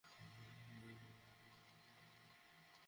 রোমার নিশ্চিত হলেন, আলোর গতি অসীম নয়।